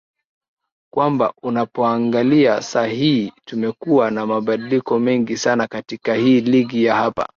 kwamba unapoangalia saa hii tumekuwa na mabadiliko mengi sana katika hii ligi ya hapa